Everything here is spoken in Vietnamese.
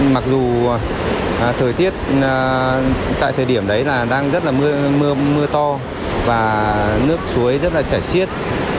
mặc dù thời tiết tại thời điểm đấy là đang rất là mưa to và nước suối rất là chảy xiết